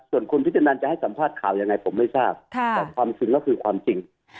ส่วนคุณพิธนันจะให้สัมภาษณ์ข่าวยังไงผมไม่ทราบแต่ความจริงแล้วคือความจริง